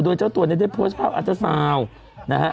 โดยเจ้าตัวในเดือนโพสทหาปอัลตะเสา